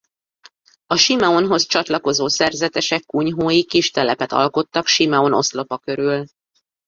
A Simeonhoz csatlakozó szerzetesek kunyhói kis telepet alkottak Simeon oszlopa körül.